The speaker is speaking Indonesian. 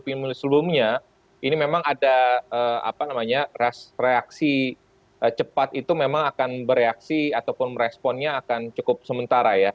pemilu sebelumnya ini memang ada reaksi cepat itu memang akan bereaksi ataupun meresponnya akan cukup sementara ya